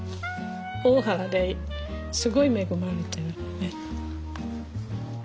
大原ですごい恵まれてる。